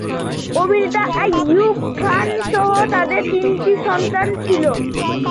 অভিনেতা আইয়ুব খান সহ তাঁদের তিনটি সন্তান ছিল।